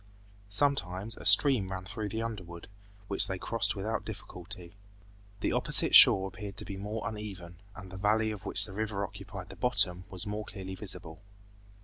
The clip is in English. Sometimes a stream ran through the underwood, which they crossed without difficulty. The opposite shore appeared to be more uneven, and the valley of which the river occupied the bottom was more clearly visible.